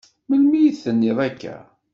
Melmi i d-tenniḍ akka?